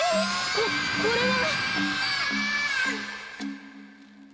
ここれは！？